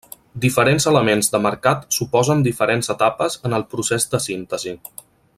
Diferents elements de marcat suposen diferents etapes en el procés de síntesi.